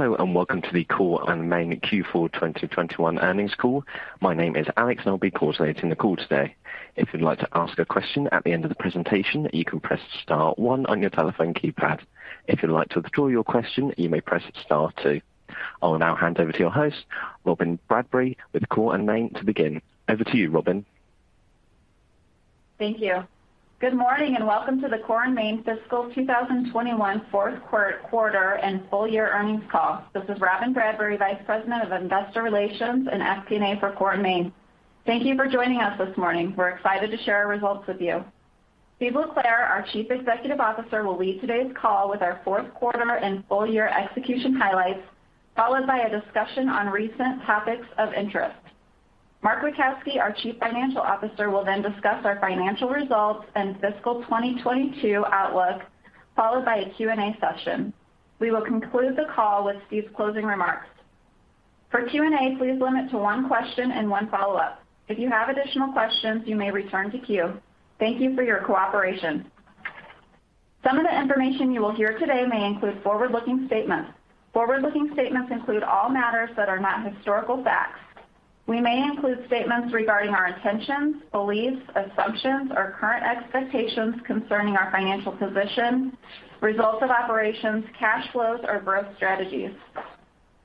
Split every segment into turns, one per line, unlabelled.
Hello, and welcome to the Core & Main Q4 2021 earnings call. My name is Alex, and I'll be coordinating the call today. If you'd like to ask a question at the end of the presentation, you can press star one on your telephone keypad. If you'd like to withdraw your question, you may press star two. I will now hand over to your host, Robyn Bradbury, with Core & Main to begin. Over to you, Robyn.
Thank you. Good morning, and welcome to the Core & Main fiscal 2021 fourth quarter and full year earnings call. This is Robyn Bradbury, Vice President of Investor Relations and FP&A for Core & Main. Thank you for joining us this morning. We're excited to share our results with you. Steve LeClair, our Chief Executive Officer, will lead today's call with our fourth quarter and full year execution highlights, followed by a discussion on recent topics of interest. Mark Witkowski, our Chief Financial Officer, will then discuss our financial results and fiscal 2022 outlook, followed by a Q&A session. We will conclude the call with Steve's closing remarks. For Q&A, please limit to one question and one follow-up. If you have additional questions, you may return to queue. Thank you for your cooperation. Some of the information you will hear today may include forward-looking statements. Forward-looking statements include all matters that are not historical facts. We may include statements regarding our intentions, beliefs, assumptions, or current expectations concerning our financial position, results of operations, cash flows, or growth strategies.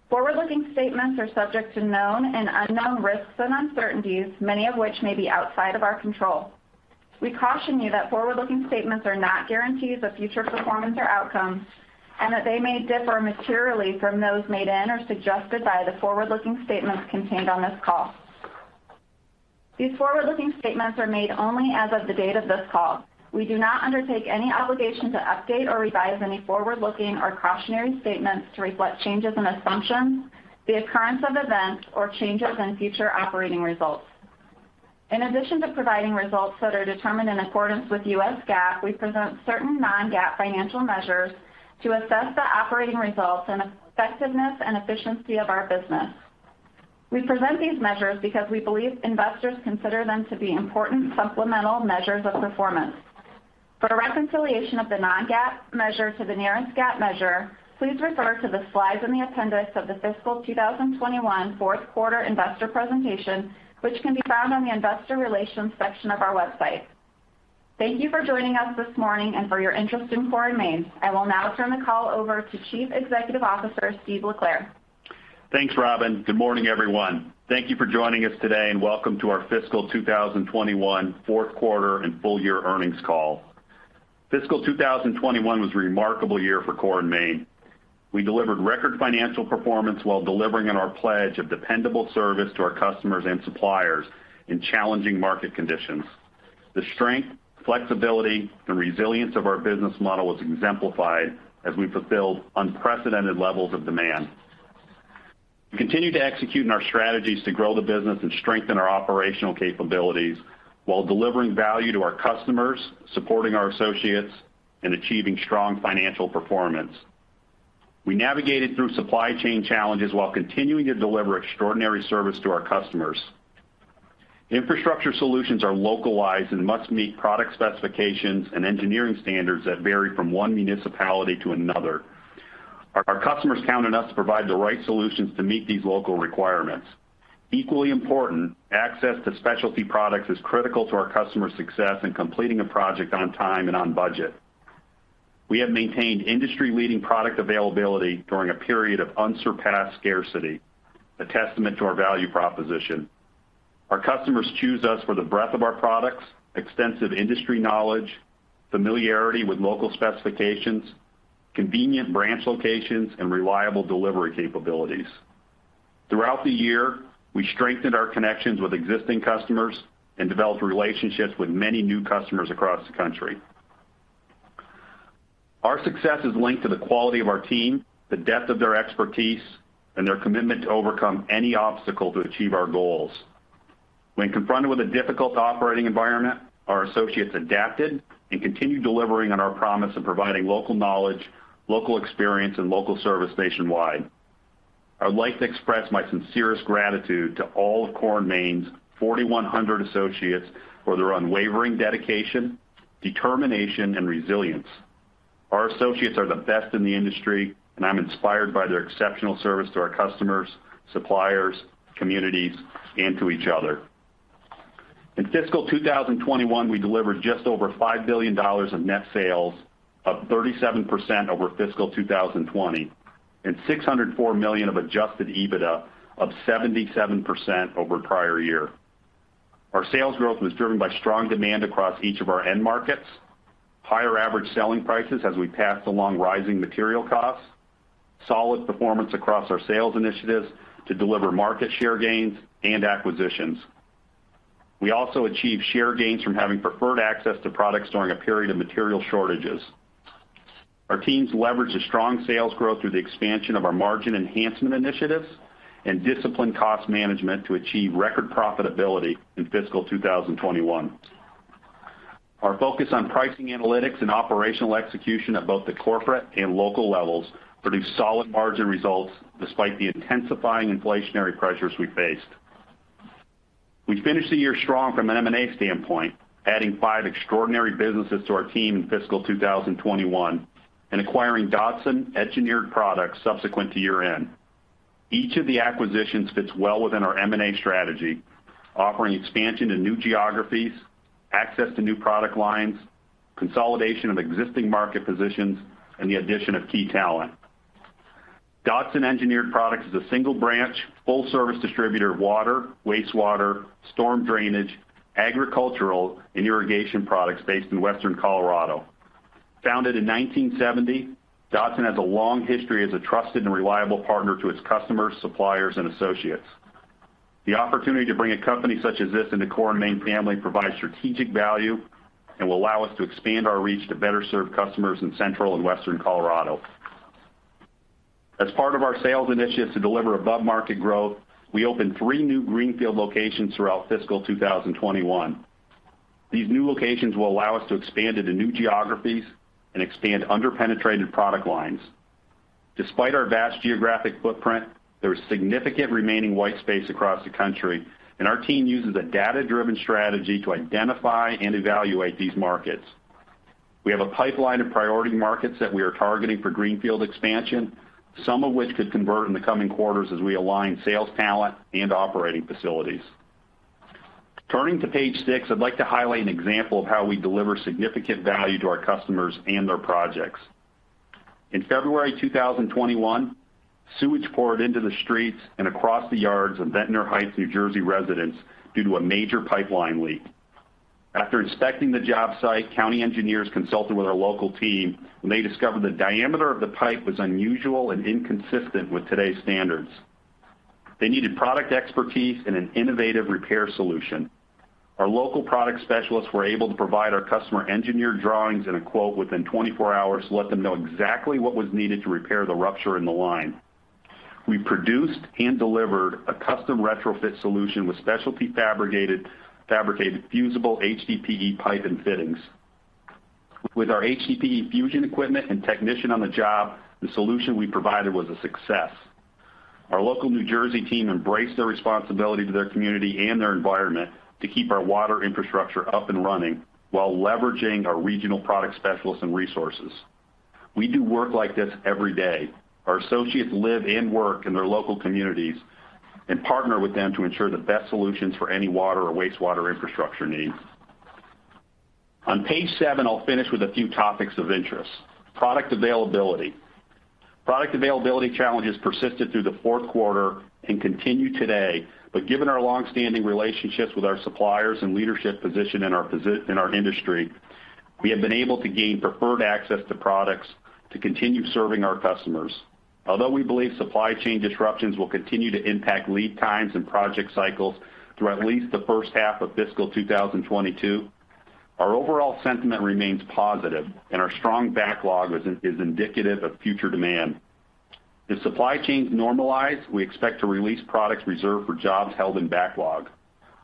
Forward-looking statements are subject to known and unknown risks and uncertainties, many of which may be outside of our control. We caution you that forward-looking statements are not guarantees of future performance or outcomes, and that they may differ materially from those made in or suggested by the forward-looking statements contained on this call. These forward-looking statements are made only as of the date of this call. We do not undertake any obligation to update or revise any forward-looking or cautionary statements to reflect changes in assumptions, the occurrence of events, or changes in future operating results. In addition to providing results that are determined in accordance with U.S. GAAP, we present certain Non-GAAP financial measures to assess the operating results and effectiveness and efficiency of our business. We present these measures because we believe investors consider them to be important supplemental measures of performance. For a reconciliation of the Non-GAAP measure to the nearest GAAP measure, please refer to the slides in the appendix of the fiscal 2021 fourth quarter investor presentation, which can be found on the investor relations section of our website. Thank you for joining us this morning and for your interest in Core & Main. I will now turn the call over to Chief Executive Officer, Steve LeClair.
Thanks, Robyn. Good morning, everyone. Thank you for joining us today, and welcome to our fiscal 2021 fourth quarter and full year earnings call. Fiscal 2021 was a remarkable year for Core & Main. We delivered record financial performance while delivering on our pledge of dependable service to our customers and suppliers in challenging market conditions. The strength, flexibility, and resilience of our business model was exemplified as we fulfilled unprecedented levels of demand. We continued to execute on our strategies to grow the business and strengthen our operational capabilities while delivering value to our customers, supporting our associates, and achieving strong financial performance. We navigated through supply chain challenges while continuing to deliver extraordinary service to our customers. Infrastructure solutions are localized and must meet product specifications and engineering standards that vary from one municipality to another. Our customers count on us to provide the right solutions to meet these local requirements. Equally important, access to specialty products is critical to our customers' success in completing a project on time and on budget. We have maintained industry-leading product availability during a period of unsurpassed scarcity, a testament to our value proposition. Our customers choose us for the breadth of our products, extensive industry knowledge, familiarity with local specifications, convenient branch locations, and reliable delivery capabilities. Throughout the year, we strengthened our connections with existing customers and developed relationships with many new customers across the country. Our success is linked to the quality of our team, the depth of their expertise, and their commitment to overcome any obstacle to achieve our goals. When confronted with a difficult operating environment, our associates adapted and continued delivering on our promise of providing local knowledge, local experience, and local service nationwide. I would like to express my sincerest gratitude to all of Core & Main's 4,100 associates for their unwavering dedication, determination, and resilience. Our associates are the best in the industry, and I'm inspired by their exceptional service to our customers, suppliers, communities, and to each other. In fiscal 2021, we delivered just over $5 billion of net sales, up 37% over fiscal 2020, and $604 million of adjusted EBITDA, up 77% over prior year. Our sales growth was driven by strong demand across each of our end markets, higher average selling prices as we passed along rising material costs, solid performance across our sales initiatives to deliver market share gains, and acquisitions. We also achieved share gains from having preferred access to products during a period of material shortages. Our teams leveraged the strong sales growth through the expansion of our margin enhancement initiatives and disciplined cost management to achieve record profitability in fiscal 2021. Our focus on pricing analytics and operational execution at both the corporate and local levels produced solid margin results despite the intensifying inflationary pressures we faced. We finished the year strong from an M&A standpoint, adding five extraordinary businesses to our team in fiscal 2021, and acquiring Dodson Engineered Products subsequent to year-end. Each of the acquisitions fits well within our M&A strategy, offering expansion to new geographies, access to new product lines, consolidation of existing market positions, and the addition of key talent. Dodson Engineered Products is a single-branch, full-service distributor of water, wastewater, storm drainage, agricultural, and irrigation products based in Western Colorado. Founded in 1970, Dodson has a long history as a trusted and reliable partner to its customers, suppliers, and associates. The opportunity to bring a company such as this into Core & Main family provides strategic value and will allow us to expand our reach to better serve customers in Central and Western Colorado. As part of our sales initiatives to deliver above-market growth, we opened three new greenfield locations throughout fiscal 2021. These new locations will allow us to expand into new geographies and expand under-penetrated product lines. Despite our vast geographic footprint, there is significant remaining white space across the country, and our team uses a data-driven strategy to identify and evaluate these markets. We have a pipeline of priority markets that we are targeting for greenfield expansion, some of which could convert in the coming quarters as we align sales talent and operating facilities. Turning to page six, I'd like to highlight an example of how we deliver significant value to our customers and their projects. In February 2021, sewage poured into the streets and across the yards of Ventnor Heights, New Jersey, residents due to a major pipeline leak. After inspecting the job site, county engineers consulted with our local team when they discovered the diameter of the pipe was unusual and inconsistent with today's standards. They needed product expertise and an innovative repair solution. Our local product specialists were able to provide our customer engineered drawings and a quote within 24 hours to let them know exactly what was needed to repair the rupture in the line. We produced and delivered a custom retrofit solution with specialty fabricated fusible HDPE pipe and fittings. With our HDPE fusion equipment and technician on the job, the solution we provided was a success. Our local New Jersey team embraced their responsibility to their community and their environment to keep our water infrastructure up and running while leveraging our regional product specialists and resources. We do work like this every day. Our associates live and work in their local communities and partner with them to ensure the best solutions for any water or wastewater infrastructure needs. On page seven, I'll finish with a few topics of interest. Product availability. Product availability challenges persisted through the fourth quarter and continue today, but given our long-standing relationships with our suppliers and leadership position in our industry, we have been able to gain preferred access to products to continue serving our customers. Although we believe supply chain disruptions will continue to impact lead times and project cycles throughout at least the first half of fiscal 2022, our overall sentiment remains positive and our strong backlog is indicative of future demand. If supply chains normalize, we expect to release products reserved for jobs held in backlog.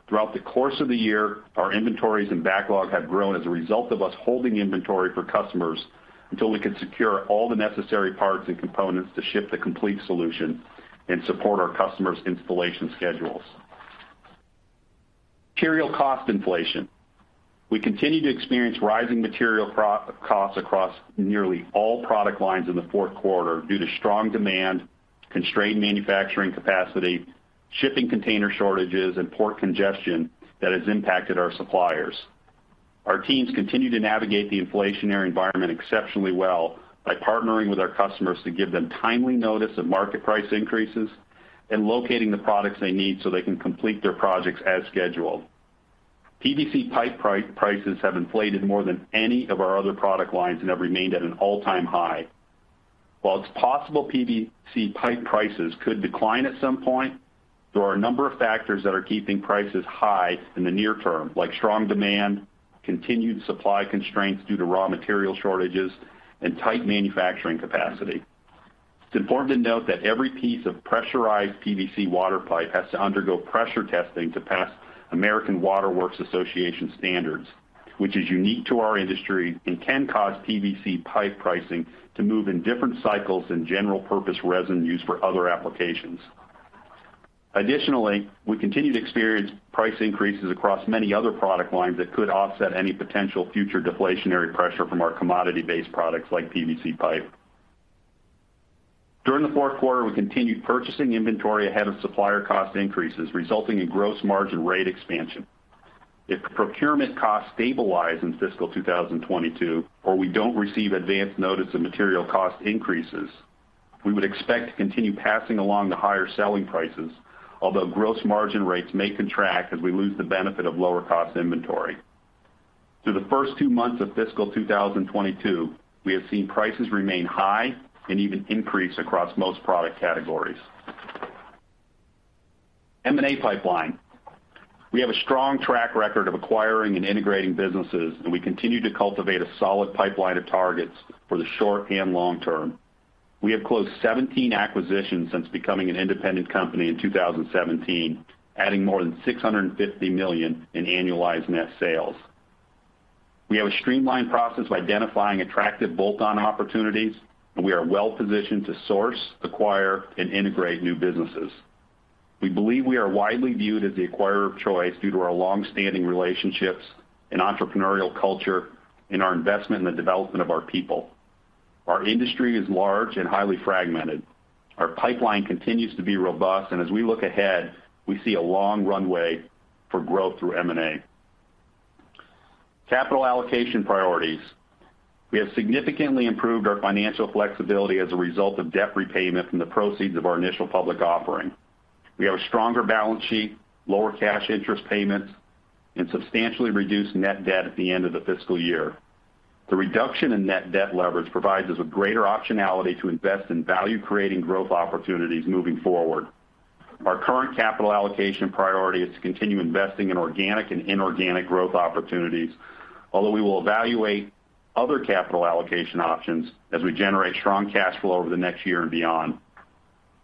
Throughout the course of the year, our inventories and backlog have grown as a result of us holding inventory for customers until we could secure all the necessary parts and components to ship the complete solution and support our customers' installation schedules. Material cost inflation. We continue to experience rising material costs across nearly all product lines in the fourth quarter due to strong demand, constrained manufacturing capacity, shipping container shortages, and port congestion that has impacted our suppliers. Our teams continue to navigate the inflationary environment exceptionally well by partnering with our customers to give them timely notice of market price increases and locating the products they need so they can complete their projects as scheduled. PVC pipe prices have inflated more than any of our other product lines and have remained at an all-time high. While it's possible PVC pipe prices could decline at some point, there are a number of factors that are keeping prices high in the near term, like strong demand, continued supply constraints due to raw material shortages, and tight manufacturing capacity. It's important to note that every piece of pressurized PVC water pipe has to undergo pressure testing to pass American Water Works Association standards, which is unique to our industry and can cause PVC pipe pricing to move in different cycles than general purpose resin used for other applications. Additionally, we continue to experience price increases across many other product lines that could offset any potential future deflationary pressure from our commodity-based products like PVC pipe. During the fourth quarter, we continued purchasing inventory ahead of supplier cost increases, resulting in gross margin rate expansion. If procurement costs stabilize in fiscal 2022 or we don't receive advance notice of material cost increases, we would expect to continue passing along the higher selling prices, although gross margin rates may contract as we lose the benefit of lower cost inventory. Through the first 2 months of fiscal 2022, we have seen prices remain high and even increase across most product categories. M&A pipeline. We have a strong track record of acquiring and integrating businesses, and we continue to cultivate a solid pipeline of targets for the short and long term. We have closed 17 acquisitions since becoming an independent company in 2017, adding more than $650 million in annualized net sales. We have a streamlined process identifying attractive bolt-on opportunities, and we are well-positioned to source, acquire, and integrate new businesses. We believe we are widely viewed as the acquirer of choice due to our long-standing relationships and entrepreneurial culture in our investment in the development of our people. Our industry is large and highly fragmented. Our pipeline continues to be robust, and as we look ahead, we see a long runway for growth through M&A. Capital allocation priorities. We have significantly improved our financial flexibility as a result of debt repayment from the proceeds of our initial public offering. We have a stronger balance sheet, lower cash interest payments, and substantially reduced net debt at the end of the fiscal year. The reduction in net debt leverage provides us with greater optionality to invest in value-creating growth opportunities moving forward. Our current capital allocation priority is to continue investing in organic and inorganic growth opportunities, although we will evaluate other capital allocation options as we generate strong cash flow over the next year and beyond.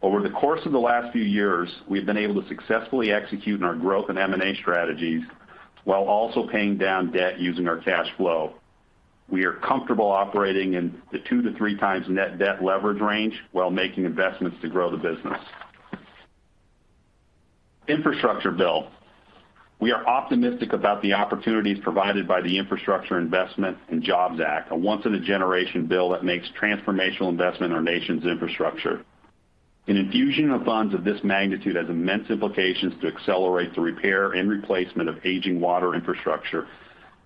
Over the course of the last few years, we've been able to successfully execute in our growth and M&A strategies while also paying down debt using our cash flow. We are comfortable operating in the 2-3 times net debt leverage range while making investments to grow the business. Infrastructure bill. We are optimistic about the opportunities provided by the Infrastructure Investment and Jobs Act, a once-in-a-generation bill that makes transformational investment in our nation's infrastructure. An infusion of funds of this magnitude has immense implications to accelerate the repair and replacement of aging water infrastructure,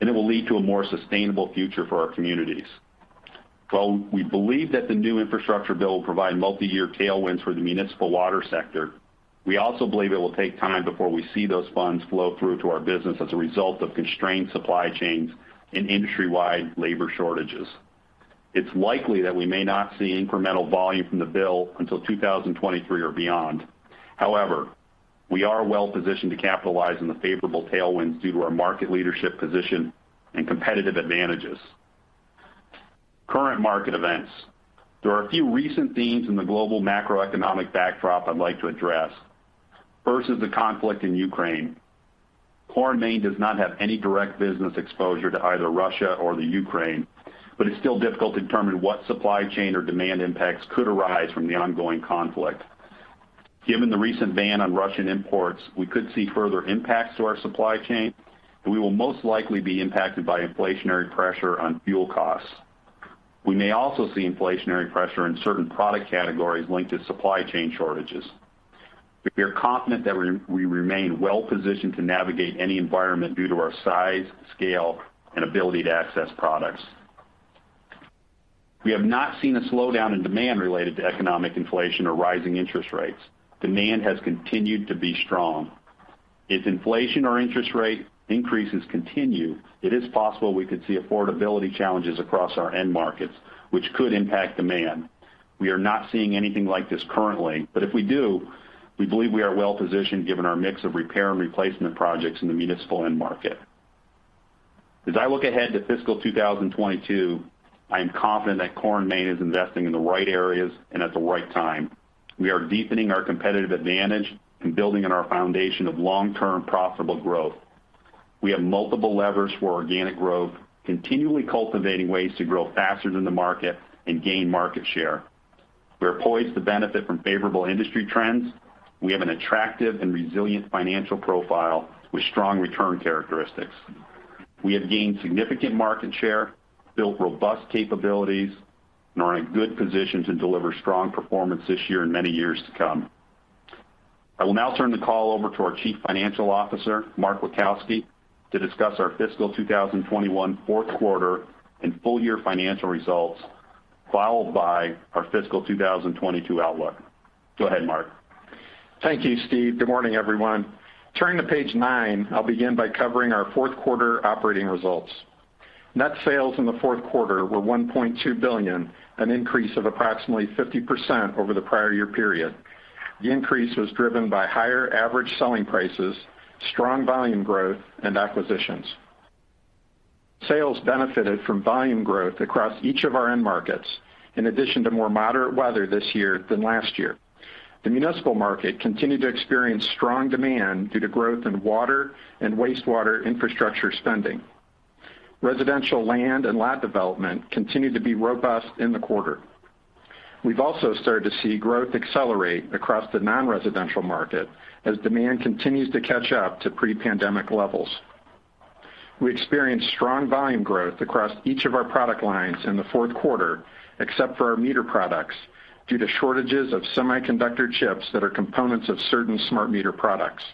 and it will lead to a more sustainable future for our communities. While we believe that the new infrastructure bill will provide multi-year tailwinds for the municipal water sector, we also believe it will take time before we see those funds flow through to our business as a result of constrained supply chains and industry-wide labor shortages. It's likely that we may not see incremental volume from the bill until 2023 or beyond. However, we are well-positioned to capitalize on the favorable tailwinds due to our market leadership position and competitive advantages. Current market events. There are a few recent themes in the global macroeconomic backdrop I'd like to address. First is the conflict in Ukraine. Core & Main does not have any direct business exposure to either Russia or the Ukraine, but it's still difficult to determine what supply chain or demand impacts could arise from the ongoing conflict. Given the recent ban on Russian imports, we could see further impacts to our supply chain, and we will most likely be impacted by inflationary pressure on fuel costs. We may also see inflationary pressure in certain product categories linked to supply chain shortages. We are confident that we remain well-positioned to navigate any environment due to our size, scale, and ability to access products. We have not seen a slowdown in demand related to economic inflation or rising interest rates. Demand has continued to be strong. If inflation or interest rate increases continue, it is possible we could see affordability challenges across our end markets, which could impact demand. We are not seeing anything like this currently, but if we do, we believe we are well-positioned given our mix of repair and replacement projects in the municipal end market. As I look ahead to fiscal 2022, I am confident that Core & Main is investing in the right areas and at the right time. We are deepening our competitive advantage and building on our foundation of long-term profitable growth. We have multiple levers for organic growth, continually cultivating ways to grow faster than the market and gain market share. We are poised to benefit from favorable industry trends. We have an attractive and resilient financial profile with strong return characteristics. We have gained significant market share, built robust capabilities, and are in a good position to deliver strong performance this year and many years to come. I will now turn the call over to our Chief Financial Officer, Mark Witkowski, to discuss our fiscal 2021 fourth quarter and full-year financial results, followed by our fiscal 2022 outlook. Go ahead, Mark.
Thank you, Steve. Good morning, everyone. Turning to page 9, I'll begin by covering our fourth quarter operating results. Net sales in the fourth quarter were $1.2 billion, an increase of approximately 50% over the prior year period. The increase was driven by higher average selling prices, strong volume growth, and acquisitions. Sales benefited from volume growth across each of our end markets, in addition to more moderate weather this year than last year. The municipal market continued to experience strong demand due to growth in water and wastewater infrastructure spending. Residential land and lot development continued to be robust in the quarter. We've also started to see growth accelerate across the non-residential market as demand continues to catch up to pre-pandemic levels. We experienced strong volume growth across each of our product lines in the fourth quarter, except for our meter products, due to shortages of semiconductor chips that are components of certain smart meter products.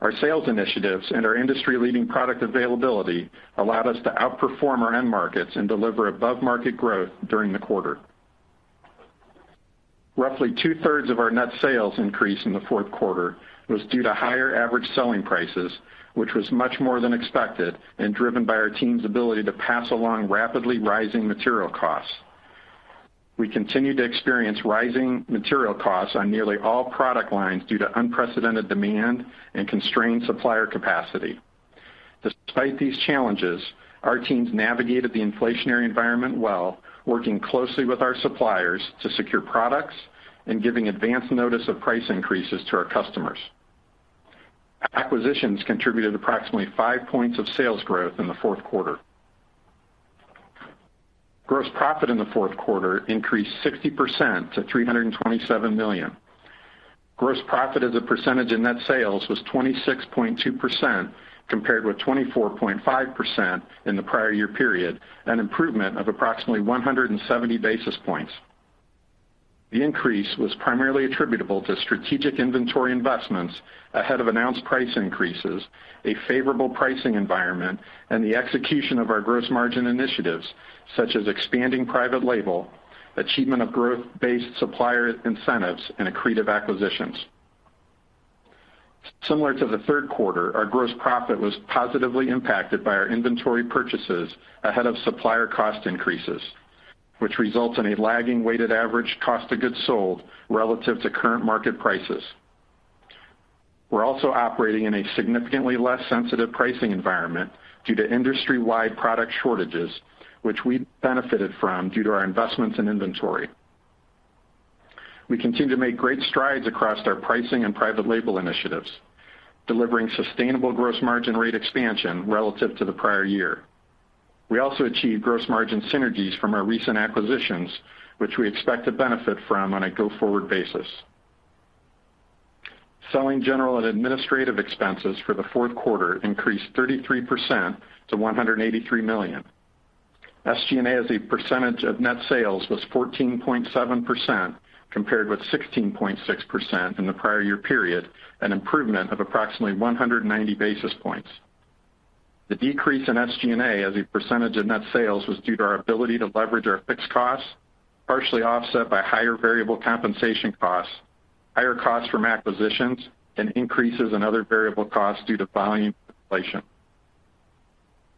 Our sales initiatives and our industry-leading product availability allowed us to outperform our end markets and deliver above-market growth during the quarter. Roughly two-thirds of our net sales increase in the fourth quarter was due to higher average selling prices, which was much more than expected and driven by our team's ability to pass along rapidly rising material costs. We continue to experience rising material costs on nearly all product lines due to unprecedented demand and constrained supplier capacity. Despite these challenges, our teams navigated the inflationary environment well, working closely with our suppliers to secure products and giving advance notice of price increases to our customers. Acquisitions contributed approximately five points of sales growth in the fourth quarter. Gross profit in the fourth quarter increased 60% to $327 million. Gross profit as a percentage of net sales was 26.2% compared with 24.5% in the prior year period, an improvement of approximately 170 basis points. The increase was primarily attributable to strategic inventory investments ahead of announced price increases, a favorable pricing environment, and the execution of our gross margin initiatives, such as expanding private label, achievement of growth-based supplier incentives, and accretive acquisitions. Similar to the third quarter, our gross profit was positively impacted by our inventory purchases ahead of supplier cost increases, which results in a lagging weighted average cost of goods sold relative to current market prices. We're also operating in a significantly less sensitive pricing environment due to industry-wide product shortages, which we benefited from due to our investments in inventory. We continue to make great strides across our pricing and private label initiatives, delivering sustainable gross margin rate expansion relative to the prior year. We also achieved gross margin synergies from our recent acquisitions, which we expect to benefit from on a go-forward basis. Selling, general, and administrative expenses for the fourth quarter increased 33% to $183 million. SG&A as a percentage of net sales was 14.7% compared with 16.6% in the prior year period, an improvement of approximately 190 basis points. The decrease in SG&A as a percentage of net sales was due to our ability to leverage our fixed costs, partially offset by higher variable compensation costs, higher costs from acquisitions, and increases in other variable costs due to volume inflation.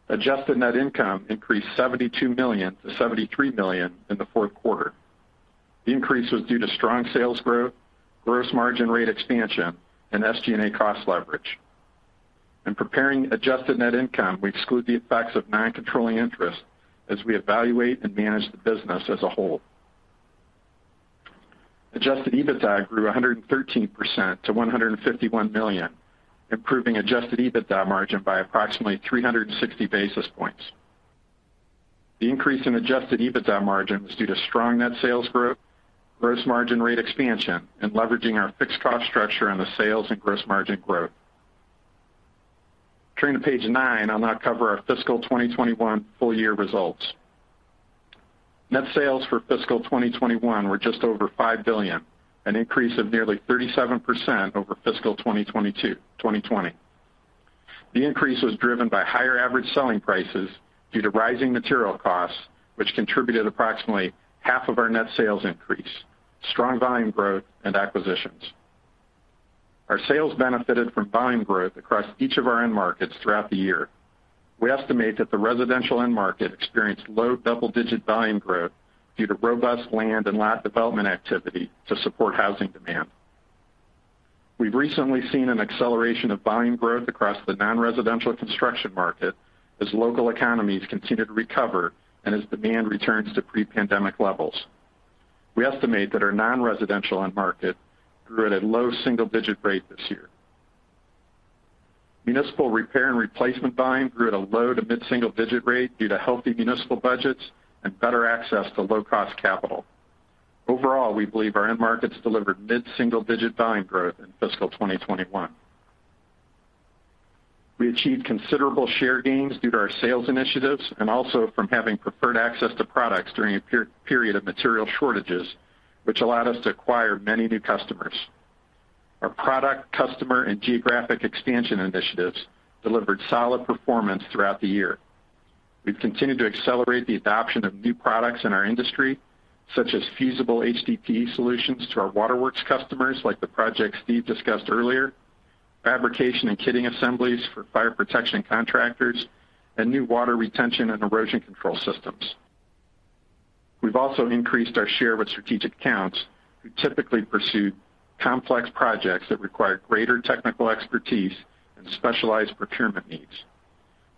Adjusted net income increased $72 million-$73 million in the fourth quarter. The increase was due to strong sales growth, gross margin rate expansion, and SG&A cost leverage. In preparing adjusted net income, we exclude the effects of non-controlling interest as we evaluate and manage the business as a whole. Adjusted EBITDA grew 113% to $151 million, improving adjusted EBITDA margin by approximately 360 basis points. The increase in adjusted EBITDA margin was due to strong net sales growth, gross margin rate expansion, and leveraging our fixed cost structure on the sales and gross margin growth. Turning to page nine, I'll now cover our fiscal 2021 full year results. Net sales for fiscal 2021 were just over $5 billion, an increase of nearly 37% over fiscal 2020. The increase was driven by higher average selling prices due to rising material costs, which contributed approximately half of our net sales increase, strong volume growth, and acquisitions. Our sales benefited from volume growth across each of our end markets throughout the year. We estimate that the residential end market experienced low double-digit volume growth due to robust land and lot development activity to support housing demand. We've recently seen an acceleration of volume growth across the non-residential construction market as local economies continue to recover and as demand returns to pre-pandemic levels. We estimate that our non-residential end market grew at a low single-digit rate this year. Municipal repair and replacement volume grew at a low- to mid-single-digit rate due to healthy municipal budgets and better access to low-cost capital. Overall, we believe our end markets delivered mid-single-digit volume growth in fiscal 2021. We achieved considerable share gains due to our sales initiatives and also from having preferred access to products during a period of material shortages, which allowed us to acquire many new customers. Our product, customer, and geographic expansion initiatives delivered solid performance throughout the year. We've continued to accelerate the adoption of new products in our industry, such as fusible HDPE solutions to our waterworks customers, like the project Steve discussed earlier, fabrication and kitting assemblies for fire protection contractors, and new water retention and erosion control systems. We've also increased our share with strategic accounts who typically pursue complex projects that require greater technical expertise and specialized procurement needs.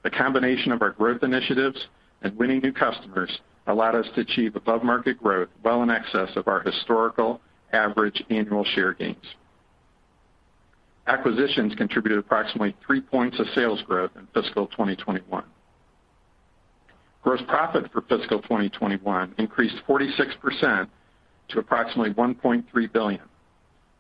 The combination of our growth initiatives and winning new customers allowed us to achieve above-market growth well in excess of our historical average annual share gains. Acquisitions contributed approximately three points of sales growth in fiscal 2021. Gross profit for fiscal 2021 increased 46% to approximately $1.3 billion.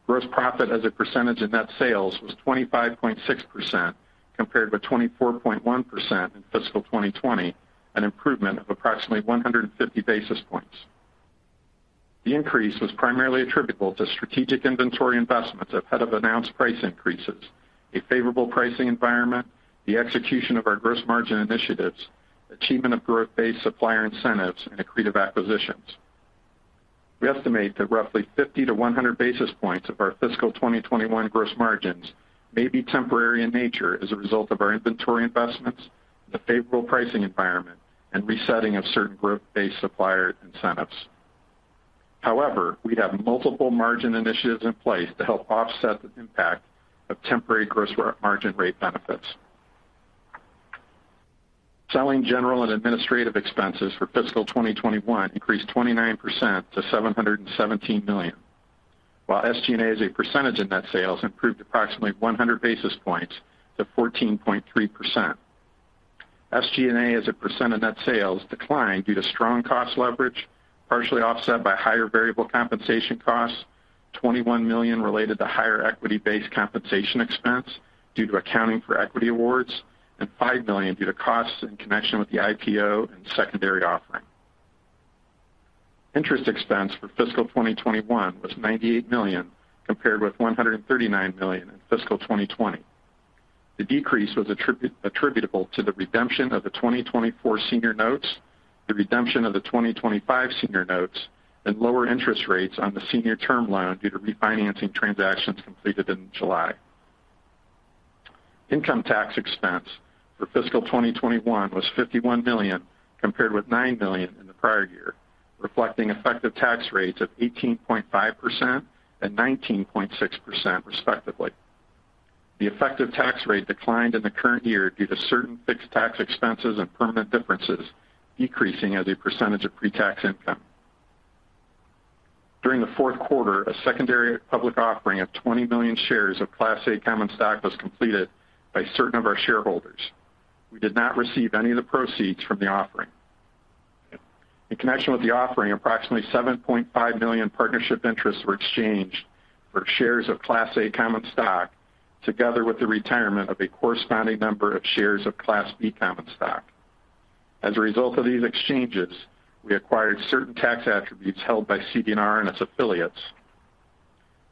Gross profit as a percentage of net sales was 25.6% compared with 24.1% in fiscal 2020, an improvement of approximately 150 basis points. The increase was primarily attributable to strategic inventory investments ahead of announced price increases, a favorable pricing environment, the execution of our gross margin initiatives, achievement of growth-based supplier incentives, and accretive acquisitions. We estimate that roughly 50-100 basis points of our fiscal 2021 gross margins may be temporary in nature as a result of our inventory investments, the favorable pricing environment, and resetting of certain growth-based supplier incentives. However, we have multiple margin initiatives in place to help offset the impact of temporary gross margin rate benefits. Selling, general, and administrative expenses for fiscal 2021 increased 29% to $717 million, while SG&A as a percentage of net sales improved approximately 100 basis points to 14.3%. SG&A as a percent of net sales declined due to strong cost leverage, partially offset by higher variable compensation costs, $21 million related to higher equity-based compensation expense due to accounting for equity awards, and $5 million due to costs in connection with the IPO and secondary offering. Interest expense for fiscal 2021 was $98 million, compared with $139 million in fiscal 2020. The decrease was attributable to the redemption of the 2024 Senior Notes, the redemption of the 2025 Senior Notes, and lower interest rates on the senior term loan due to refinancing transactions completed in July. Income tax expense for fiscal 2021 was $51 million, compared with $9 million in the prior year, reflecting effective tax rates of 18.5% and 19.6% respectively. The effective tax rate declined in the current year due to certain fixed tax expenses and permanent differences, decreasing as a percentage of pre-tax income. During the fourth quarter, a secondary public offering of 20 million shares of Class A common stock was completed by certain of our shareholders. We did not receive any of the proceeds from the offering. In connection with the offering, approximately 7.5 million partnership interests were exchanged for shares of Class A common stock, together with the retirement of a corresponding number of shares of Class B common stock. As a result of these exchanges, we acquired certain tax attributes held by CD&R and its affiliates.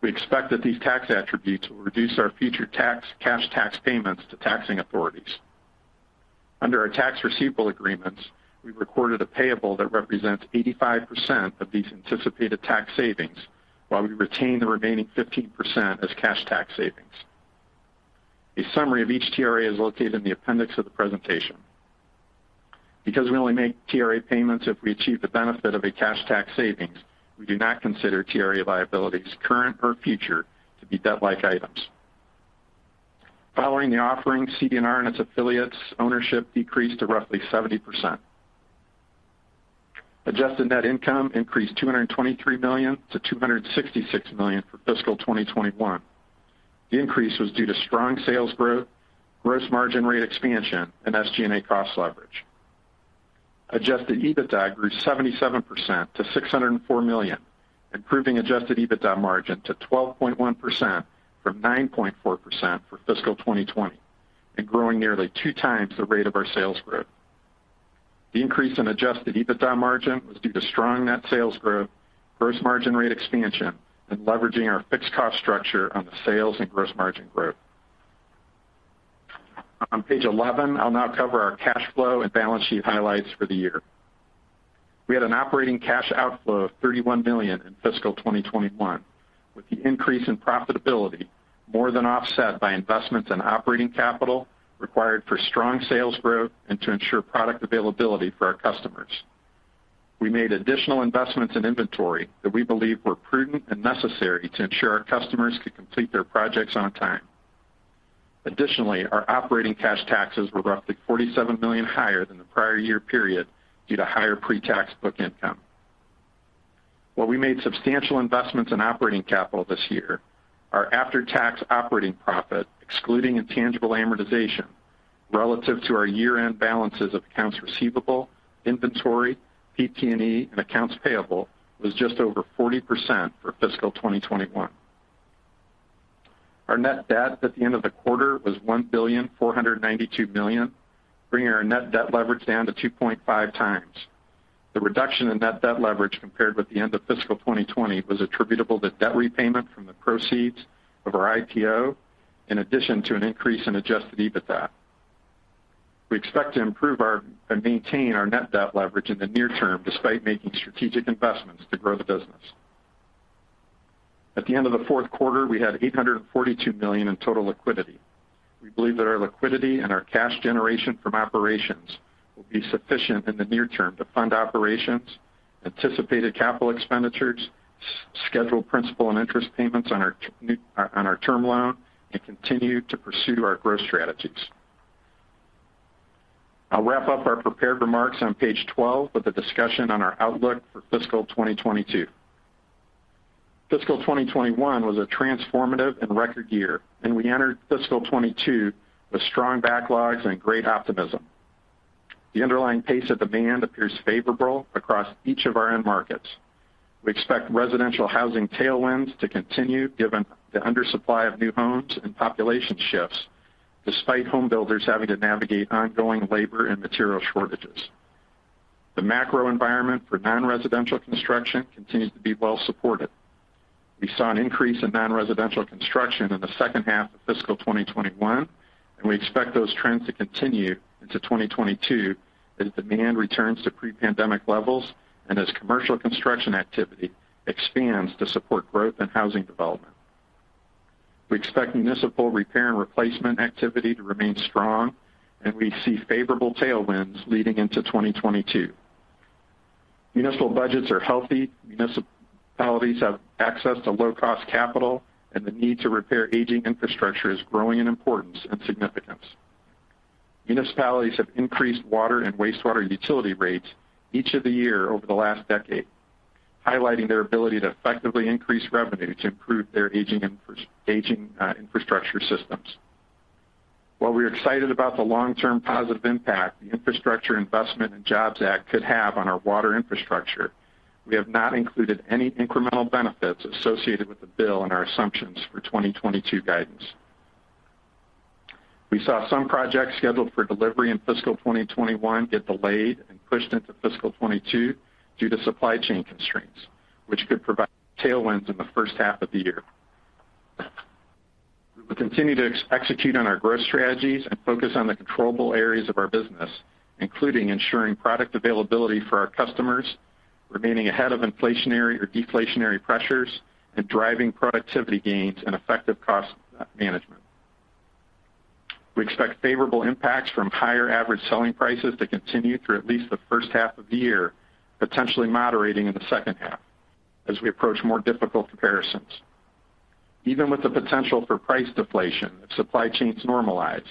We expect that these tax attributes will reduce our future cash tax payments to taxing authorities. Under our tax receivable agreements, we recorded a payable that represents 85% of these anticipated tax savings, while we retain the remaining 15% as cash tax savings. A summary of each TRA is located in the appendix of the presentation. Because we only make TRA payments if we achieve the benefit of a cash tax savings, we do not consider TRA liabilities, current or future, to be debt-like items. Following the offering, CD&R and its affiliates ownership decreased to roughly 70%. Adjusted net income increased $223 million to $266 million for fiscal 2021. The increase was due to strong sales growth, gross margin rate expansion, and SG&A cost leverage. Adjusted EBITDA grew 77% to $604 million, improving adjusted EBITDA margin to 12.1% from 9.4% for fiscal 2020 and growing nearly 2x the rate of our sales growth. The increase in adjusted EBITDA margin was due to strong net sales growth, gross margin rate expansion, and leveraging our fixed cost structure on the sales and gross margin growth. On page 11, I'll now cover our cash flow and balance sheet highlights for the year. We had an operating cash outflow of $31 million in fiscal 2021, with the increase in profitability more than offset by investments in operating capital required for strong sales growth and to ensure product availability for our customers. We made additional investments in inventory that we believe were prudent and necessary to ensure our customers could complete their projects on time. Additionally, our operating cash taxes were roughly $47 million higher than the prior year period due to higher pre-tax book income. While we made substantial investments in operating capital this year, our after-tax operating profit, excluding intangible amortization, relative to our year-end balances of accounts receivable, inventory, PP&E, and accounts payable, was just over 40% for fiscal 2021. Our net debt at the end of the quarter was $1.492 billion, bringing our net debt leverage down to 2.5x. The reduction in net debt leverage compared with the end of fiscal 2020 was attributable to debt repayment from the proceeds of our IPO, in addition to an increase in adjusted EBITDA. We expect to improve our, and maintain our net debt leverage in the near term despite making strategic investments to grow the business. At the end of the fourth quarter, we had $842 million in total liquidity. We believe that our liquidity and our cash generation from operations will be sufficient in the near term to fund operations, anticipated capital expenditures, schedule principal and interest payments on our term loan, and continue to pursue our growth strategies. I'll wrap up our prepared remarks on page 12 with a discussion on our outlook for fiscal 2022. Fiscal 2021 was a transformative and record year, and we entered fiscal 2022 with strong backlogs and great optimism. The underlying pace of demand appears favorable across each of our end markets. We expect residential housing tailwinds to continue given the undersupply of new homes and population shifts despite home builders having to navigate ongoing labor and material shortages. The macro environment for non-residential construction continues to be well supported. We saw an increase in non-residential construction in the second half of fiscal 2021, and we expect those trends to continue into 2022 as demand returns to pre-pandemic levels and as commercial construction activity expands to support growth and housing development. We expect municipal repair and replacement activity to remain strong, and we see favorable tailwinds leading into 2022. Municipal budgets are healthy, municipalities have access to low-cost capital, and the need to repair aging infrastructure is growing in importance and significance. Municipalities have increased water and wastewater utility rates each year over the last decade, highlighting their ability to effectively increase revenue to improve their aging infrastructure systems. While we're excited about the long-term positive impact the Infrastructure Investment and Jobs Act could have on our water infrastructure, we have not included any incremental benefits associated with the bill in our assumptions for 2022 guidance. We saw some projects scheduled for delivery in fiscal 2021 get delayed and pushed into fiscal 2022 due to supply chain constraints, which could provide tailwinds in the first half of the year. We will continue to execute on our growth strategies and focus on the controllable areas of our business, including ensuring product availability for our customers, remaining ahead of inflationary or deflationary pressures, and driving productivity gains and effective cost management. We expect favorable impacts from higher average selling prices to continue through at least the first half of the year, potentially moderating in the second half as we approach more difficult comparisons. Even with the potential for price deflation if supply chains normalize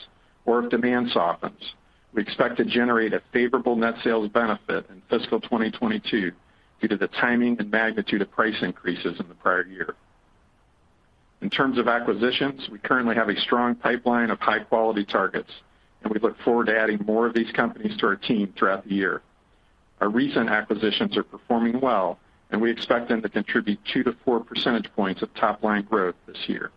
or if demand softens, we expect to generate a favorable net sales benefit in fiscal 2022 due to the timing and magnitude of price increases in the prior year. In terms of acquisitions, we currently have a strong pipeline of high-quality targets, and we look forward to adding more of these companies to our team throughout the year. Our recent acquisitions are performing well, and we expect them to contribute two-four percentage points of top-line growth this year.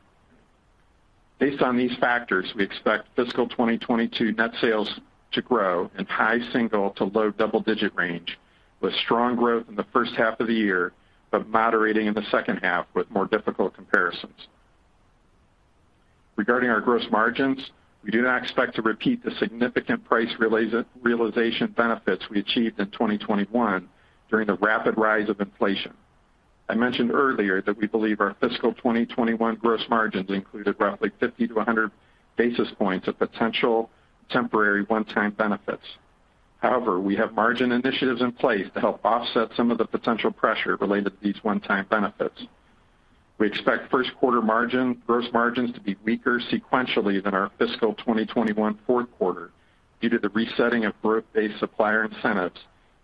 Based on these factors, we expect fiscal 2022 net sales to grow in high single- to low double-digit range, with strong growth in the first half of the year, but moderating in the second half with more difficult comparisons. Regarding our gross margins, we do not expect to repeat the significant price realization benefits we achieved in 2021 during the rapid rise of inflation. I mentioned earlier that we believe our fiscal 2021 gross margins included roughly 50-100 basis points of potential temporary one-time benefits. However, we have margin initiatives in place to help offset some of the potential pressure related to these one-time benefits. We expect first quarter gross margins to be weaker sequentially than our fiscal 2021 fourth quarter due to the resetting of growth-based supplier incentives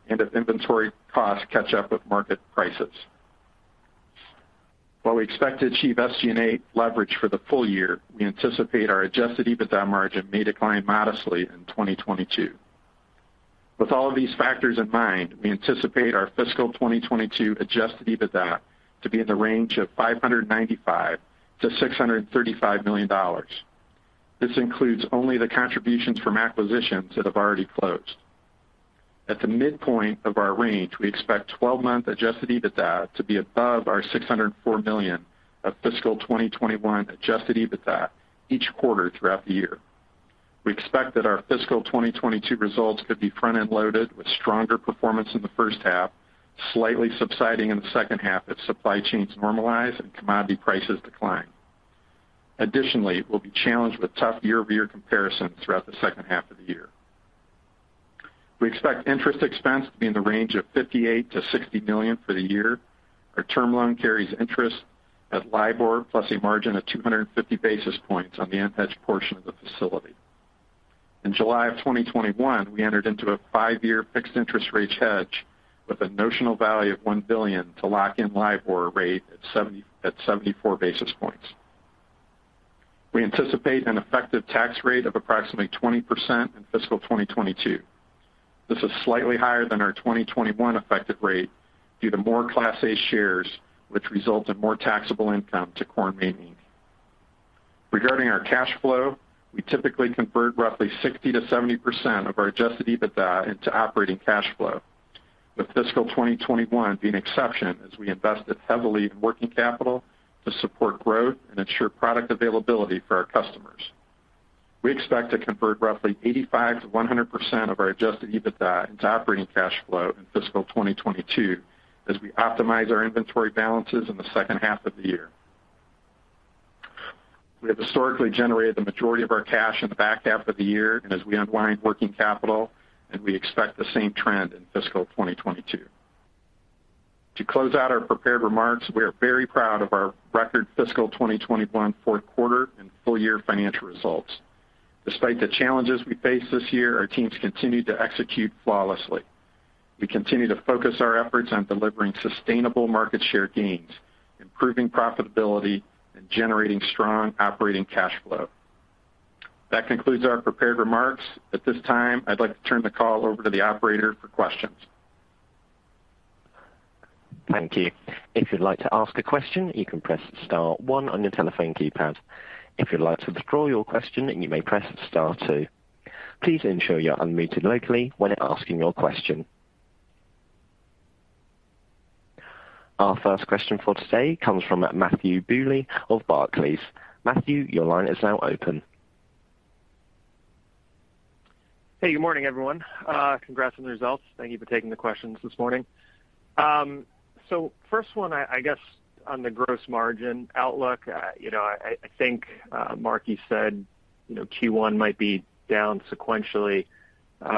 and if inventory costs catch up with market prices. While we expect to achieve SG&A leverage for the full year, we anticipate our adjusted EBITDA margin may decline modestly in 2022. With all of these factors in mind, we anticipate our fiscal 2022 adjusted EBITDA to be in the range of $595 million-$635 million. This includes only the contributions from acquisitions that have already closed. At the midpoint of our range, we expect twelve-month adjusted EBITDA to be above our $604 million of fiscal 2021 adjusted EBITDA each quarter throughout the year. We expect that our fiscal 2022 results could be front-end loaded with stronger performance in the first half, slightly subsiding in the second half if supply chains normalize and commodity prices decline. Additionally, we'll be challenged with tough year-over-year comparisons throughout the second half of the year. We expect interest expense to be in the range of $58 million-$60 million for the year. Our term loan carries interest at LIBOR plus a margin of 250 basis points on the unhedged portion of the facility. In July 2021, we entered into a five-year fixed interest rate hedge with a notional value of $1 billion to lock in LIBOR rate at 74 basis points. We anticipate an effective tax rate of approximately 20% in fiscal 2022. This is slightly higher than our 2021 effective rate due to more Class A shares, which result in more taxable income to Core & Main. Regarding our cash flow, we typically convert roughly 60%-70% of our adjusted EBITDA into operating cash flow, with fiscal 2021 being an exception as we invested heavily in working capital to support growth and ensure product availability for our customers. We expect to convert roughly 85%-100% of our adjusted EBITDA into operating cash flow in fiscal 2022 as we optimize our inventory balances in the second half of the year. We have historically generated the majority of our cash in the back half of the year and as we unwind working capital, and we expect the same trend in fiscal 2022. To close out our prepared remarks, we are very proud of our record fiscal 2021 fourth quarter and full year financial results. Despite the challenges we faced this year, our teams continued to execute flawlessly. We continue to focus our efforts on delivering sustainable market share gains, improving profitability, and generating strong operating cash flow. That concludes our prepared remarks. At this time, I'd like to turn the call over to the operator for questions.
Thank you. If you'd like to ask a question, you can press star one on your telephone keypad. If you'd like to withdraw your question, you may press star two. Please ensure you're unmuted locally when asking your question. Our first question for today comes from Matthew Bouley of Barclays. Matthew, your line is now open.
Hey, good morning, everyone. Congrats on the results. Thank you for taking the questions this morning. First one, I guess on the gross margin outlook, you know, I think, Mark, you said, you know, Q1 might be down sequentially.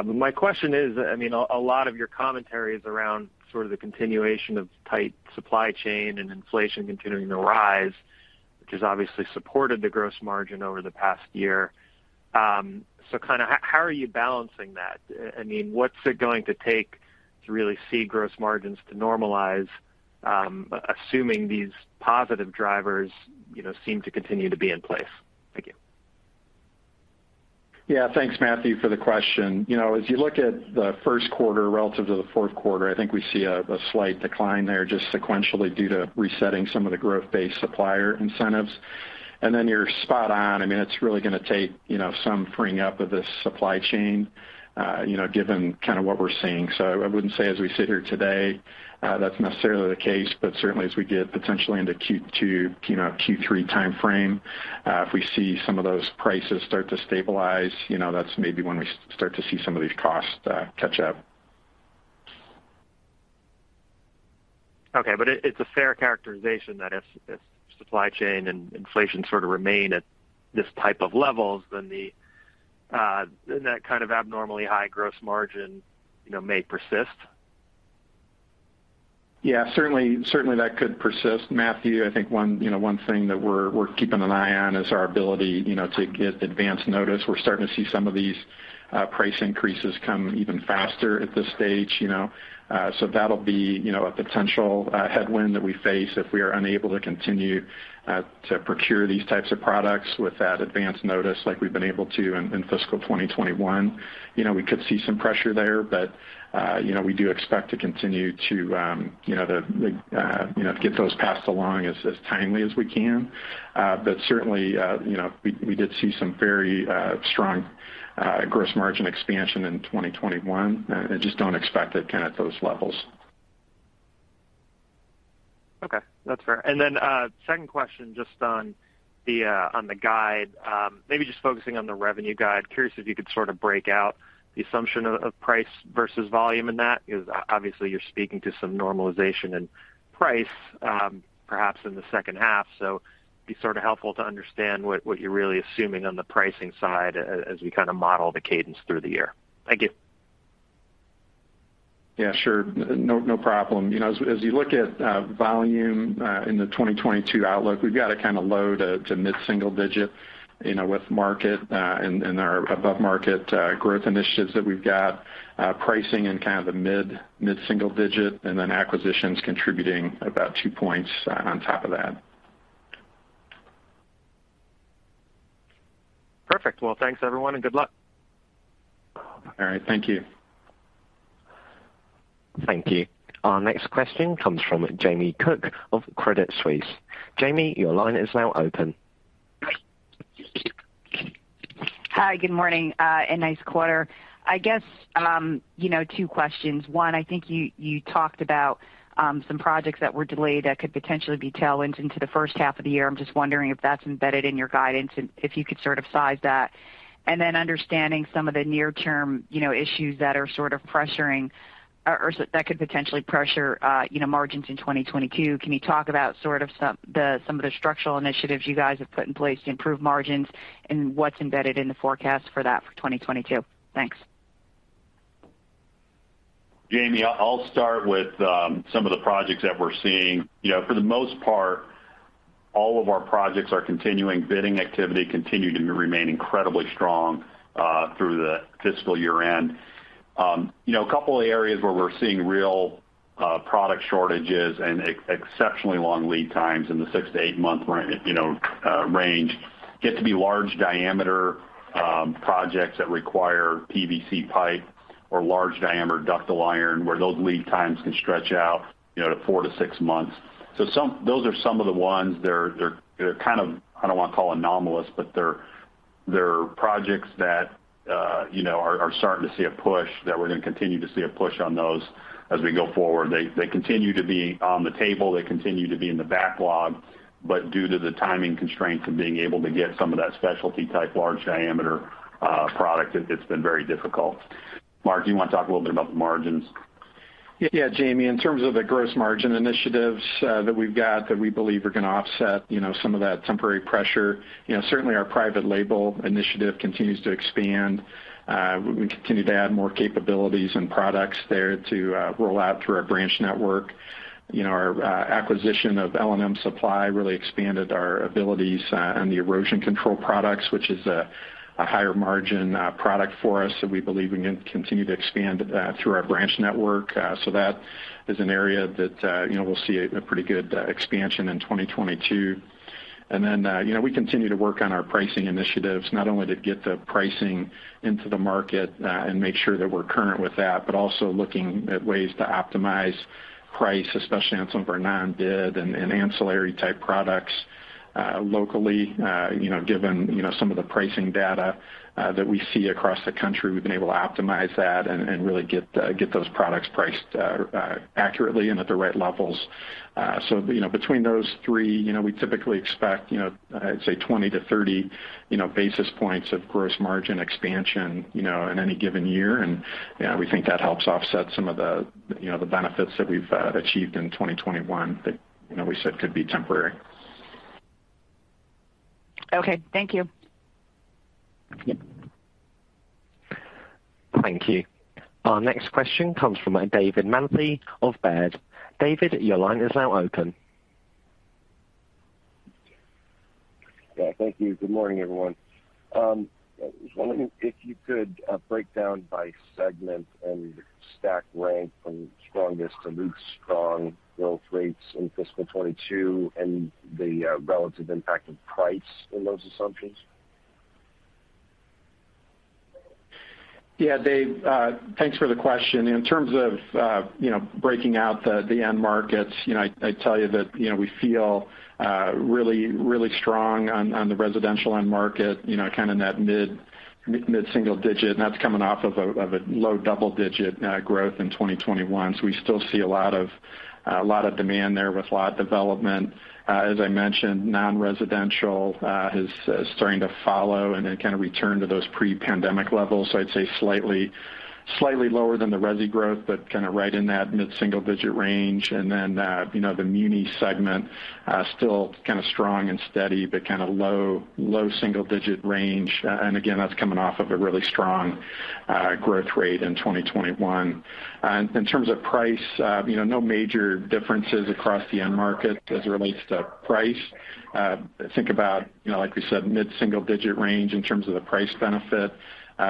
My question is, I mean, a lot of your commentary is around sort of the continuation of tight supply chain and inflation continuing to rise, which has obviously supported the gross margin over the past year. Kinda how are you balancing that? I mean, what's it going to take to really see gross margins to normalize, assuming these positive drivers, you know, seem to continue to be in place? Thank you.
Yeah. Thanks, Matthew, for the question. You know, as you look at the first quarter relative to the fourth quarter, I think we see a slight decline there just sequentially due to resetting some of the growth-based supplier incentives. Then you're spot on. I mean, it's really gonna take, you know, some freeing up of the supply chain, you know, given kinda what we're seeing. I wouldn't say as we sit here today, that's necessarily the case. Certainly as we get potentially into Q2, you know, Q3 timeframe, if we see some of those prices start to stabilize, you know, that's maybe when we start to see some of these costs, catch up. Okay. It's a fair characterization that if supply chain and inflation sort of remain at this type of levels then that kind of abnormally high gross margin, you know, may persist? Yeah, certainly that could persist, Matthew. I think one thing that we're keeping an eye on is our ability to get advanced notice. We're starting to see some of these price increases come even faster at this stage, you know. That'll be a potential headwind that we face if we are unable to continue to procure these types of products with that advance notice like we've been able to in fiscal 2021. You know, we could see some pressure there. We do expect to continue to get those passed along as timely as we can. Certainly, we did see some very strong gross margin expansion in 2021. I just don't expect it kind of those levels.
Okay. That's fair. Then second question just on the guide. Maybe just focusing on the revenue guide. Curious if you could sort of break out the assumption of price versus volume in that because obviously you're speaking to some normalization in price, perhaps in the second half. It'd be sort of helpful to understand what you're really assuming on the pricing side as we kind of model the cadence through the year. Thank you.
Yeah, sure. No problem. You know, as you look at volume in the 2022 outlook, we've got a low- to mid-single-digit, you know, with market and our above-market growth initiatives that we've got. Pricing in kind of the mid-single-digit, and then acquisitions contributing about 2 points on top of that.
Perfect. Well, thanks, everyone, and good luck.
All right. Thank you.
Thank you. Our next question comes from Jamie Cook of Credit Suisse. Jamie, your line is now open.
Hi. Good morning, and nice quarter. I guess, you know, two questions. One, I think you talked about some projects that were delayed that could potentially be tailwinds into the first half of the year. I'm just wondering if that's embedded in your guidance and if you could sort of size that. Understanding some of the near-term, you know, issues that are sort of pressuring or that could potentially pressure, you know, margins in 2022. Can you talk about some of the structural initiatives you guys have put in place to improve margins and what's embedded in the forecast for that for 2022? Thanks.
Jamie, I'll start with some of the projects that we're seeing. You know, for the most part, all of our projects are continuing. Bidding activity continued and remain incredibly strong through the fiscal year-end. You know, a couple of areas where we're seeing real product shortages and exceptionally long lead times in the 6-8 month range get to be large diameter projects that require PVC pipe or large diameter ductile iron, where those lead times can stretch out, you know, to 4-6 months. Those are some of the ones. They're kind of, I don't want to call anomalous, but they're projects that, you know, are starting to see a push that we're gonna continue to see a push on those as we go forward. They continue to be on the table. They continue to be in the backlog. Due to the timing constraints of being able to get some of that specialty type large diameter product, it's been very difficult. Mark, do you want to talk a little bit about the margins? Yeah, Jamie, in terms of the gross margin initiatives that we've got that we believe are gonna offset, you know, some of that temporary pressure. You know, certainly our private label initiative continues to expand. We continue to add more capabilities and products there to roll out through our branch network. You know, our acquisition of L & M Supply really expanded our abilities on the erosion control products, which is a higher margin product for us that we believe we can continue to expand through our branch network. That is an area that, you know, we'll see a pretty good expansion in 2022. You know, we continue to work on our pricing initiatives, not only to get the pricing into the market and make sure that we're current with that, but also looking at ways to optimize price, especially on some of our non-bid and ancillary type products. Locally, you know, given you know some of the pricing data that we see across the country, we've been able to optimize that and really get those products priced accurately and at the right levels. You know, between those three, you know, we typically expect, you know, I'd say 20-30 basis points of gross margin expansion, you know, in any given year. You know, we think that helps offset some of the, you know, the benefits that we've achieved in 2021 that, you know, we said could be temporary.
Okay, thank you.
Thank you. Our next question comes from David Manthey of Baird. David, your line is now open.
Yeah, thank you. Good morning, everyone. I was wondering if you could break down by segment and stack rank from strongest to least strong growth rates in fiscal 2022 and the relative impact of price in those assumptions.
Yeah, Dave, thanks for the question. In terms of, you know, breaking out the end markets, you know, I tell you that, you know, we feel really strong on the residential end market, you know, kind of in that mid-single-digit %, and that's coming off of a low double-digit % growth in 2021. We still see a lot of demand there with lot development. As I mentioned, non-residential is starting to follow and then kind of return to those pre-pandemic levels. I'd say slightly lower than the resi growth, but kind of right in that mid-single-digit % range. You know, the muni segment still kind of strong and steady but kind of low single-digit % range. Again, that's coming off of a really strong growth rate in 2021. In terms of price, you know, no major differences across the end market as it relates to price. Think about, you know, like we said, mid-single digit range in terms of the price benefit,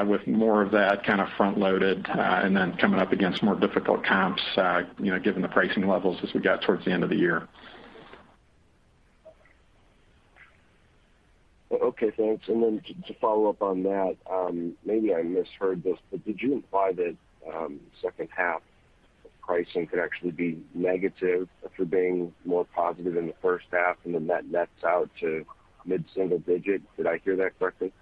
with more of that kind of front loaded, and then coming up against more difficult comps, you know, given the pricing levels as we got towards the end of the year.
Okay, thanks. To follow up on that, maybe I misheard this, but did you imply that second half pricing could actually be negative after being more positive in the first half, and then that nets out to mid-single digit? Did I hear that correctly?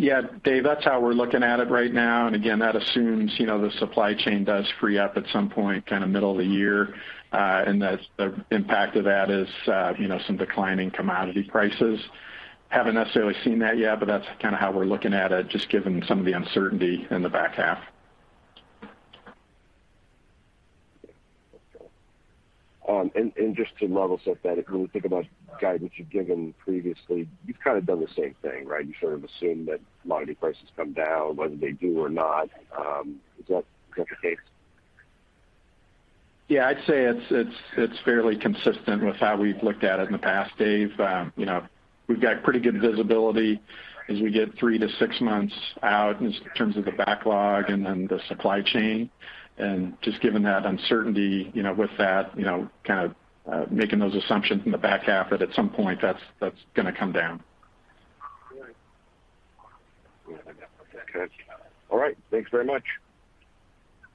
Yeah, Dave, that's how we're looking at it right now. Again, that assumes, you know, the supply chain does free up at some point kind of middle of the year. That's the impact of that is, you know, some declining commodity prices. Haven't necessarily seen that yet, but that's kind of how we're looking at it, just given some of the uncertainty in the back half.
Okay. And just to level set that, when we think about guidance you've given previously, you've kind of done the same thing, right? You sort of assume that commodity prices come down, whether they do or not. Is that the case?
Yeah, I'd say it's fairly consistent with how we've looked at it in the past, Dave. You know, we've got pretty good visibility as we get 3-6 months out in terms of the backlog and then the supply chain. Just given that uncertainty, you know, with that, you know, kind of, making those assumptions in the back half that at some point that's gonna come down.
All right. Okay. All right. Thanks very much.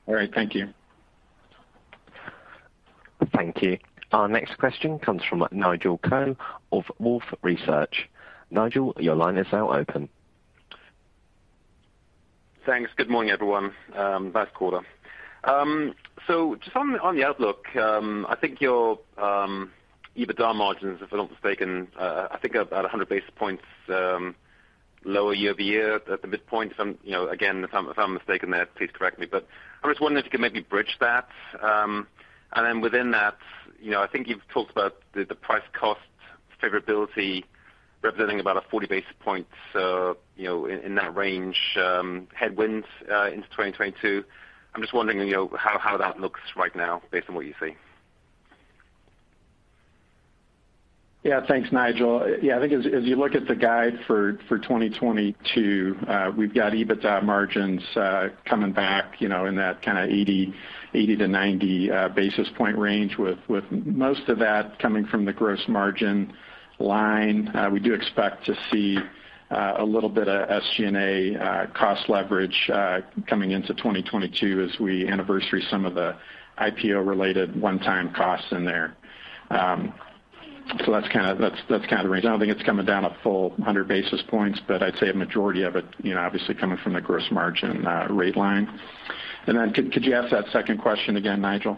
All right. Thank you.
Thank you. Our next question comes from Nigel Coe of Wolfe Research. Nigel, your line is now open.
Thanks. Good morning, everyone. Last quarter. So just on the outlook, I think your EBITDA margins, if I'm not mistaken, I think are about 100 basis points lower year-over-year at the midpoint. So, you know, again, if I'm mistaken there, please correct me. But I'm just wondering if you could maybe bridge that. Within that, you know, I think you've talked about the price cost favorability representing about 40 basis points, you know, in that range, headwinds into 2022. I'm just wondering, you know, how that looks right now based on what you see.
Yeah. Thanks, Nigel. Yeah, I think as you look at the guide for 2022, we've got EBITDA margins coming back, you know, in that kind of 80-90 basis point range with most of that coming from the gross margin line. We do expect to see a little bit of SG&A cost leverage coming into 2022 as we anniversary some of the IPO related one-time costs in there. So that's kinda kind of the range. I don't think it's coming down a full 100 basis points, but I'd say a majority of it, you know, obviously coming from the gross margin rate line. Then could you ask that second question again, Nigel?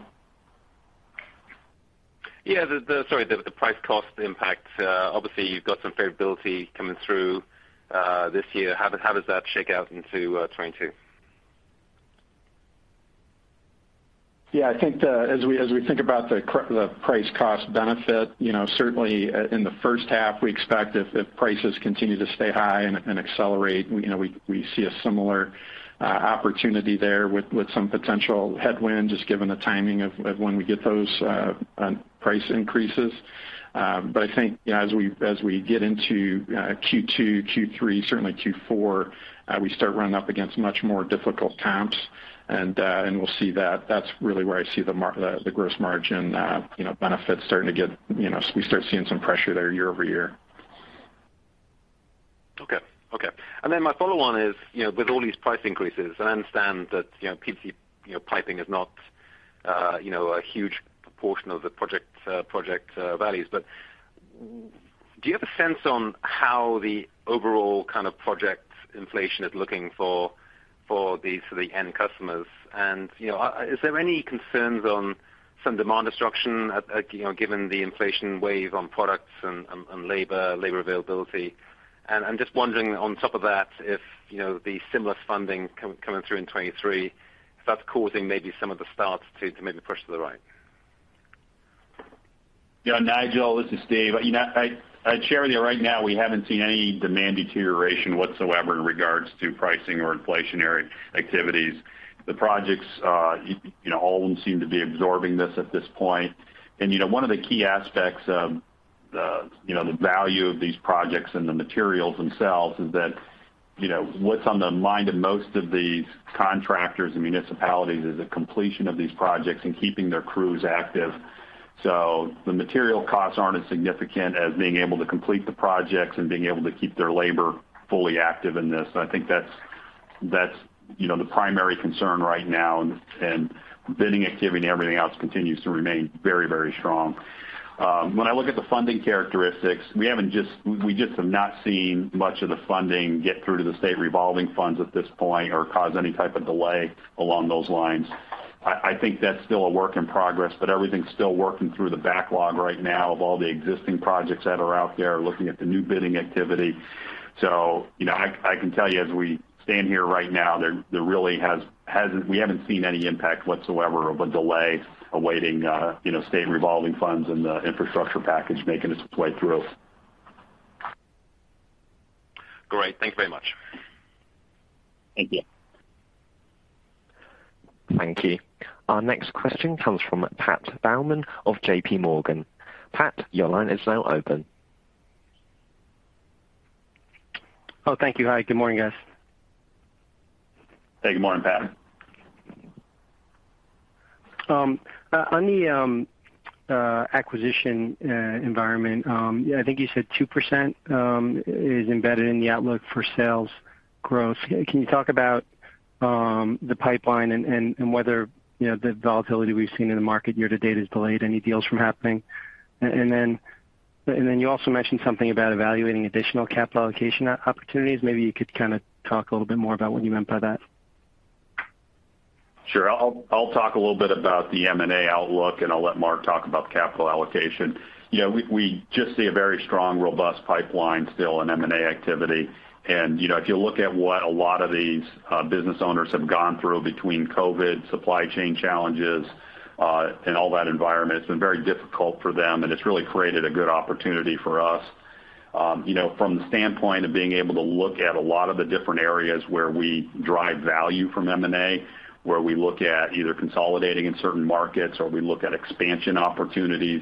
Yeah. The price cost impact, obviously you've got some favorability coming through, this year. How does that shake out into 2022?
Yeah, I think as we think about the price-cost benefit, you know, certainly in the first half, we expect if prices continue to stay high and accelerate, you know, we see a similar opportunity there with some potential headwinds just given the timing of when we get those price increases. I think, you know, as we get into Q2, Q3, certainly Q4, we start running up against much more difficult comps, and we'll see that. That's really where I see the gross margin benefits starting to get, you know, we start seeing some pressure there year-over-year.
Okay. My follow on is, you know, with all these price increases, and I understand that, you know, PVC, you know, piping is not, you know, a huge proportion of the project values. But do you have a sense on how the overall kind of project inflation is looking for these for the end customers? You know, is there any concerns on some demand destruction at you know, given the inflation wave on products and labor availability? I'm just wondering on top of that, if you know, the stimulus funding coming through in 2023, if that's causing maybe some of the starts to maybe push to the right.
Yeah, Nigel, this is Steve. You know, I'd share with you right now, we haven't seen any demand deterioration whatsoever in regards to pricing or inflationary activities. The projects, you know, all of them seem to be absorbing this at this point. You know, one of the key aspects of the, you know, the value of these projects and the materials themselves is that, you know, what's on the mind of most of these contractors and municipalities is the completion of these projects and keeping their crews active. The material costs aren't as significant as being able to complete the projects and being able to keep their labor fully active in this. I think that's, you know, the primary concern right now and bidding activity and everything else continues to remain very, very strong. When I look at the funding characteristics, we just have not seen much of the funding get through to the state revolving funds at this point or cause any type of delay along those lines. I think that's still a work in progress, but everything's still working through the backlog right now of all the existing projects that are out there looking at the new bidding activity. You know, I can tell you as we stand here right now, we haven't seen any impact whatsoever of a delay awaiting, you know, state revolving funds and the infrastructure package making its way through.
Great. Thank you very much.
Thank you.
Thank you. Our next question comes from Patrick Baumann of JPMorgan. Pat, your line is now open.
Oh, thank you. Hi, good morning, guys.
Hey, good morning, Pat.
On the acquisition environment, I think you said 2% is embedded in the outlook for sales growth. Can you talk about the pipeline and whether, you know, the volatility we've seen in the market year to date has delayed any deals from happening? Then you also mentioned something about evaluating additional capital allocation opportunities. Maybe you could kind of talk a little bit more about what you meant by that.
Sure. I'll talk a little bit about the M&A outlook, and I'll let Mark talk about the capital allocation. You know, we just see a very strong, robust pipeline still in M&A activity. You know, if you look at what a lot of these business owners have gone through between COVID, supply chain challenges, and all that environment, it's been very difficult for them, and it's really created a good opportunity for us. You know, from the standpoint of being able to look at a lot of the different areas where we drive value from M&A, where we look at either consolidating in certain markets or we look at expansion opportunities,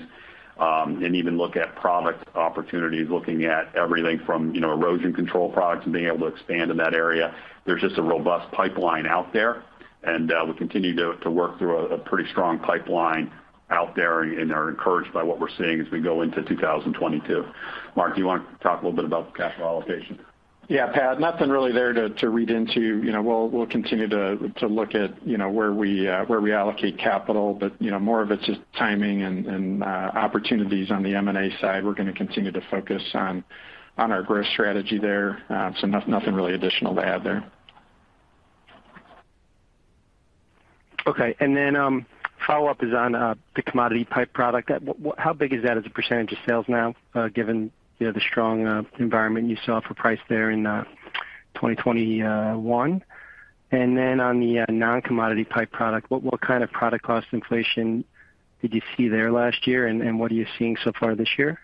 and even look at product opportunities, looking at everything from, you know, erosion control products and being able to expand in that area. There's just a robust pipeline out there, and we continue to work through a pretty strong pipeline out there and are encouraged by what we're seeing as we go into 2022. Mark, do you want to talk a little bit about the capital allocation?
Yeah, Pat, nothing really there to read into. You know, we'll continue to look at, you know, where we allocate capital. You know, more of it's just timing and opportunities on the M&A side. We're gonna continue to focus on our growth strategy there. Nothing really additional to add there.
Okay. Follow-up is on the commodity pipe product. How big is that as a percentage of sales now, given you know the strong environment you saw for price there in 2021? On the non-commodity pipe product, what kind of product cost inflation did you see there last year, and what are you seeing so far this year?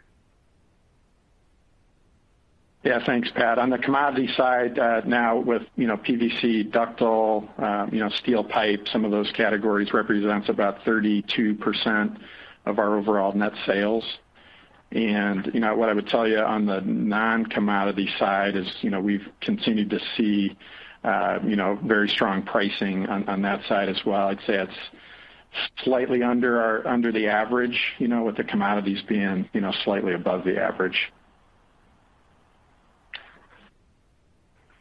Yeah. Thanks, Pat. On the commodity side, now with, you know, PVC, ductile, you know, steel pipe, some of those categories represents about 32% of our overall net sales. What I would tell you on the non-commodity side is, you know, we've continued to see, you know, very strong pricing on that side as well. I'd say it's slightly under the average, you know, with the commodities being, you know, slightly above the average.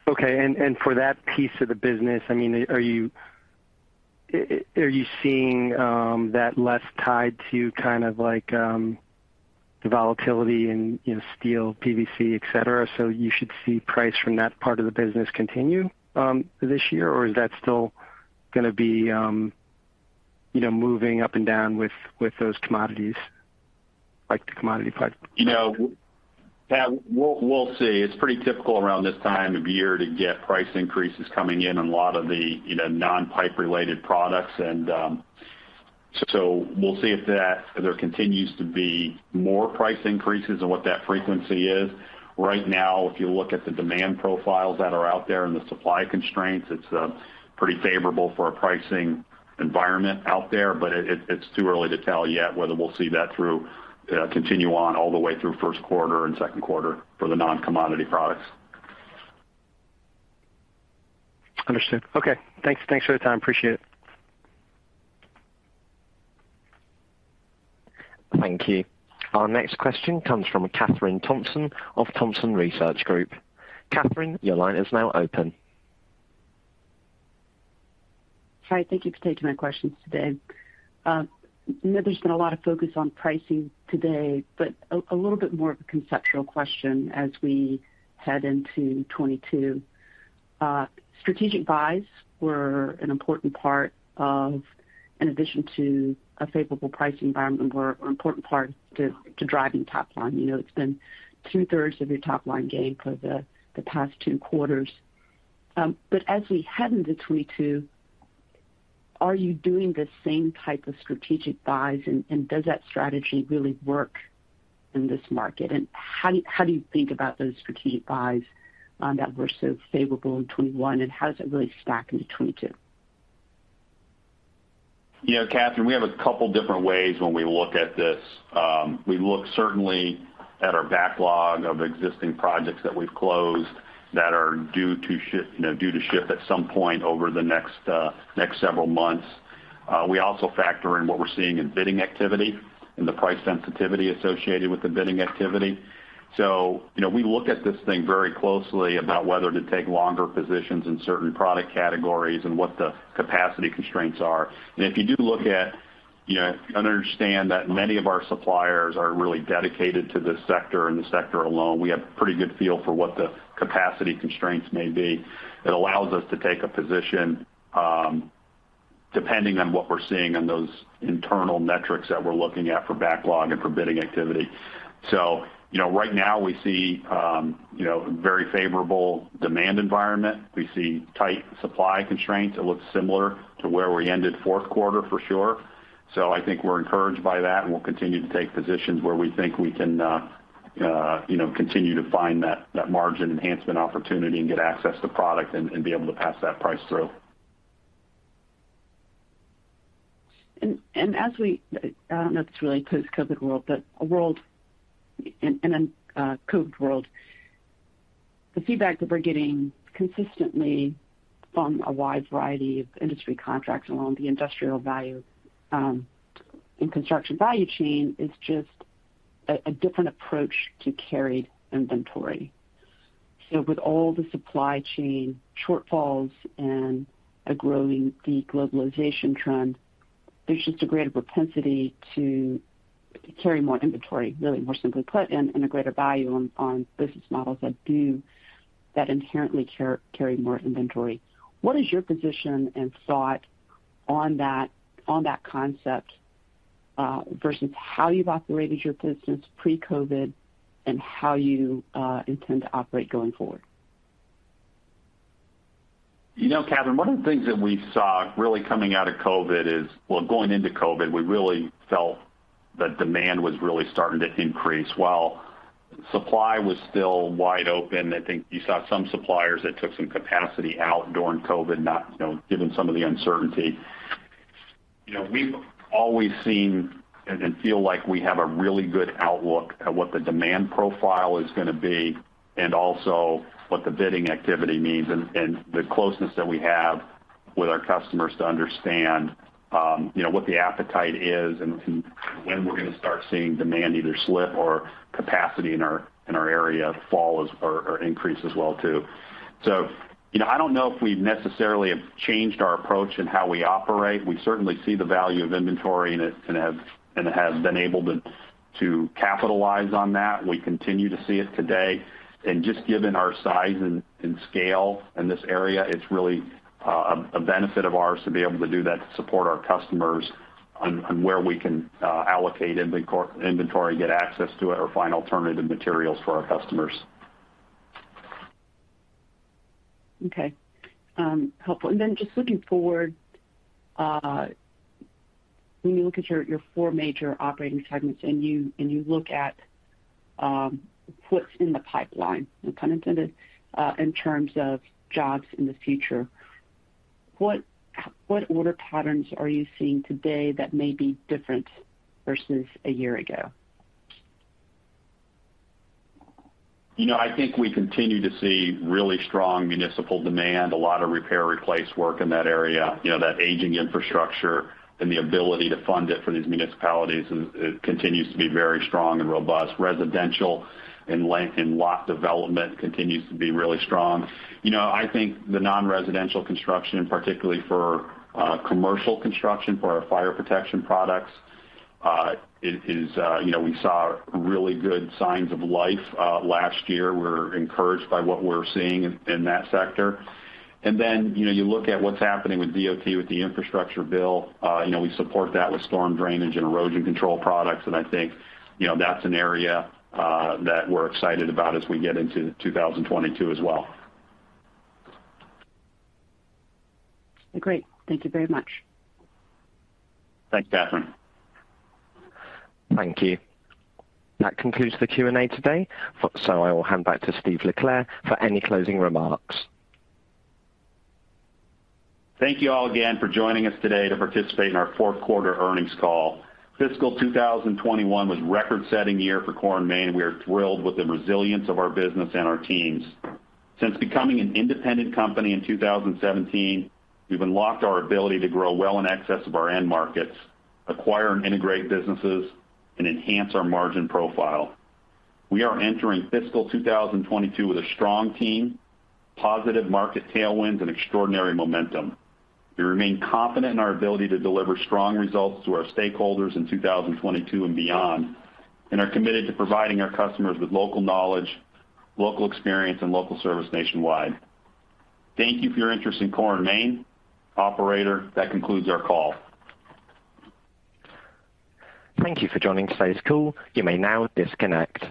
Okay. For that piece of the business, I mean, are you seeing that less tied to kind of like the volatility in, you know, steel, PVC, et cetera? You should see price from that part of the business continue this year? Or is that still gonna be, you know, moving up and down with those commodities, like the commodity part?
You know, Pat, we'll see. It's pretty typical around this time of year to get price increases coming in on a lot of the, you know, non-pipe related products. So we'll see if that there continues to be more price increases and what that frequency is. Right now, if you look at the demand profiles that are out there and the supply constraints, it's pretty favorable for a pricing environment out there, but it's too early to tell yet whether we'll see that continue on all the way through first quarter and second quarter for the non-commodity products.
Understood. Okay. Thanks for the time. Appreciate it.
Thank you. Our next question comes from Kathryn Thompson of Thompson Research Group. Kathryn, your line is now open.
Hi, thank you for taking my questions today. I know there's been a lot of focus on pricing today, but a little bit more of a conceptual question as we head into 2022. Strategic buys, in addition to a favorable pricing environment, were an important part to driving top line. You know, it's been two-thirds of your top line gain for the past 2 quarters. As we head into 2022, are you doing the same type of strategic buys, and does that strategy really work in this market? How do you think about those strategic buys that were so favorable in 2021, and how does that really stack into 2022?
You know, Kathryn, we have a couple different ways when we look at this. We look certainly at our backlog of existing projects that we've closed that are due to ship at some point over the next several months. We also factor in what we're seeing in bidding activity and the price sensitivity associated with the bidding activity. You know, we look at this thing very closely about whether to take longer positions in certain product categories and what the capacity constraints are. If you do look at, you know, if you understand that many of our suppliers are really dedicated to this sector and the sector alone, we have pretty good feel for what the capacity constraints may be. It allows us to take a position, depending on what we're seeing on those internal metrics that we're looking at for backlog and for bidding activity. You know, right now we see, you know, very favorable demand environment. We see tight supply constraints. It looks similar to where we ended fourth quarter for sure. I think we're encouraged by that, and we'll continue to take positions where we think we can, you know, continue to find that margin enhancement opportunity and get access to product and be able to pass that price through.
I don't know if it's really post-COVID world, but a world in a COVID world, the feedback that we're getting consistently from a wide variety of industry contracts along the industrial value and construction value chain is just a different approach to carried inventory. With all the supply chain shortfalls and a growing de-globalization trend, there's just a greater propensity to carry more inventory, really more simply put, and a greater value on business models that inherently carry more inventory. What is your position and thought on that concept versus how you've operated your business pre-COVID and how you intend to operate going forward?
You know, Kathryn, one of the things that we saw really coming out of COVID is. Well, going into COVID, we really felt that demand was really starting to increase while supply was still wide open. I think you saw some suppliers that took some capacity out during COVID, not, you know, given some of the uncertainty. You know, we've always seen and feel like we have a really good outlook at what the demand profile is gonna be and also what the bidding activity means and the closeness that we have with our customers to understand, you know, what the appetite is and when we're gonna start seeing demand either slip or capacity in our area fall or increase as well, too. So, you know, I don't know if we necessarily have changed our approach in how we operate. We certainly see the value of inventory, and it has been able to capitalize on that. We continue to see it today. Just given our size and scale in this area, it's really a benefit of ours to be able to do that to support our customers on where we can allocate inventory, get access to it, or find alternative materials for our customers.
Okay. Helpful. Then just looking forward, when you look at your four major operating segments and you look at what's in the pipeline, no pun intended, in terms of jobs in the future, what order patterns are you seeing today that may be different versus a year ago?
You know, I think we continue to see really strong municipal demand, a lot of repair replace work in that area. You know, that aging infrastructure and the ability to fund it for these municipalities is it continues to be very strong and robust. Residential and lot development continues to be really strong. You know, I think the non-residential construction, particularly for commercial construction for our fire protection products, is you know, we saw really good signs of life last year. We're encouraged by what we're seeing in that sector. Then, you know, you look at what's happening with DOT, with the infrastructure bill, you know, we support that with storm drainage and erosion control products, and I think, you know, that's an area that we're excited about as we get into 2022 as well.
Great. Thank you very much.
Thanks, Kathryn.
Thank you. That concludes the Q&A today. I will hand back to Steve LeClair for any closing remarks.
Thank you all again for joining us today to participate in our fourth quarter earnings call. Fiscal 2021 was a record-setting year for Core & Main. We are thrilled with the resilience of our business and our teams. Since becoming an independent company in 2017, we've unlocked our ability to grow well in excess of our end markets, acquire and integrate businesses, and enhance our margin profile. We are entering Fiscal 2022 with a strong team, positive market tailwinds, and extraordinary momentum. We remain confident in our ability to deliver strong results to our stakeholders in 2022 and beyond, and are committed to providing our customers with local knowledge, local experience, and local service nationwide. Thank you for your interest in Core & Main. Operator, that concludes our call.
Thank you for joining today's call. You may now disconnect.